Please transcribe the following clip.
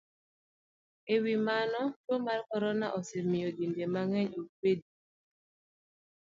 E wi mano, tuo mar corona osemiyo dinde mang'eny ok bed gi yie,